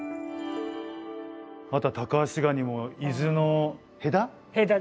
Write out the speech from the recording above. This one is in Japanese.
またタカアシガニも伊豆の戸田？